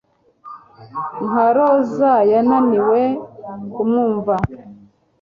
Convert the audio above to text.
Nka roza yananiwe kumwumva